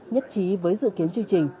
nhất trí với dự kiến chương trình